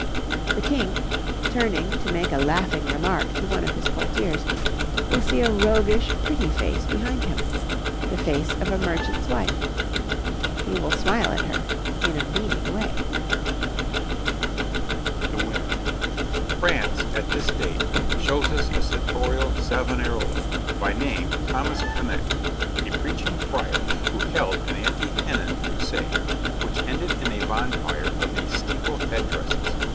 The King, turning to make a laughing remark to one of his courtiers, will see a roguish, pretty face behind him the face of a merchant's wife; he will smile at her in a meaning way. THE WOMEN [Illustration: {A head dress for a woman}] France, at this date, shows us a sartorial Savonarola, by name Thomas Conecte, a preaching friar, who held an Anti Hennin Crusade, which ended in a bonfire of these steeple head dresses.